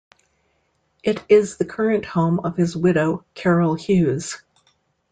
It is the current home of his widow Carol Hughes.